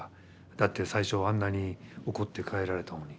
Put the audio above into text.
だって最初あんなに怒って帰られたのに。